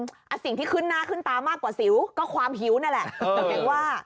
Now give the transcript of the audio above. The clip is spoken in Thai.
สิ่งที่ขึ้นหน้าขึ้นตามากกว่าสิวก็ความหิวนั่นแหละแสดงว่า